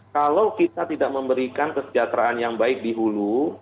kalau kita tidak memberikan kesejahteraan yang baik dihulu